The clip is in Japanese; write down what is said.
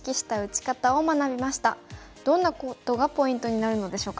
どんなことがポイントになるのでしょうか。